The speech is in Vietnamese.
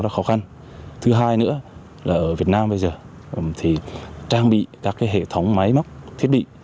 khó khăn thứ hai nữa là ở việt nam bây giờ trang bị các hệ thống máy móc thiết bị